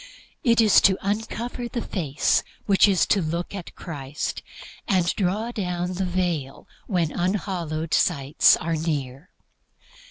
It is to uncover the face which is to look at Christ, and draw down the veil when unhallowed sights are near.